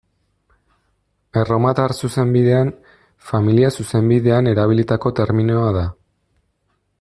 Erromatar zuzenbidean, familia zuzenbidean erabilitako terminoa da.